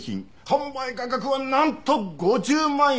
販売価格はなんと５０万円！